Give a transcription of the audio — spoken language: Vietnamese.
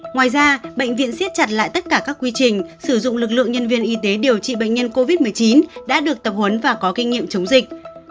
ngoài ra bệnh viện siết chặt lại tất cả các quy trình sử dụng lực lượng nhân viên y tế điều trị bệnh nhân covid một mươi chín đã được tập huấn và có kinh nghiệm chống dịch